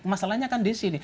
masalahnya kan disini